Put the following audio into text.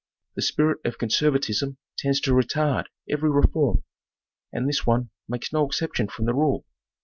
The spirit of conservatism tends to retard every reform, and this one makes no exception from the rule.